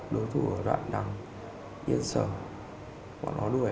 đối thủ ở đoạn đằng yên sở bọn nó đuổi